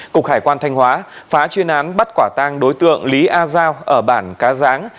cục hải quan thanh hóa phá chuyên án bắt quả tang đối tượng lý a giao ở bản cá giáng